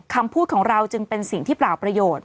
คำพูดของเราจึงเป็นสิ่งที่เปล่าประโยชน์